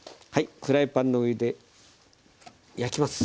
フライパンの上で焼きます。